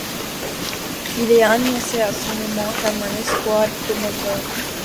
Il est annoncé à ce moment comme un espoir prometteur.